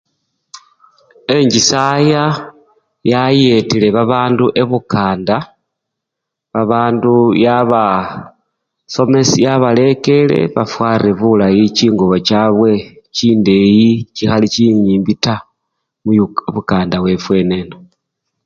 Enchisaya yayetile babandu ebukanda, babandu ya! yabaso! yabalekele bafware bulayi chingubo chabwe chindeyi chikhali chinyimbi taa muyu! ibukanda wefwe eneno.